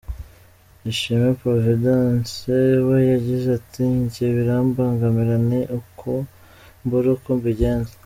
Ishimwe Providence, we yagize ati"Njye birambangamira ni uko mbura uko mbigenza.